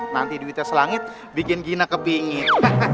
nanti duitnya selangit bikin gina kebingit